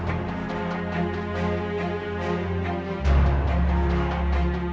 lalu saya berangkat ke laos